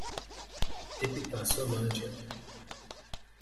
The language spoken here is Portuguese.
Epitaciolândia